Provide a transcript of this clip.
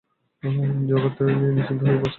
জগত্তারিণী নিশ্চিন্ত হইয়া প্রস্থান করিলেন।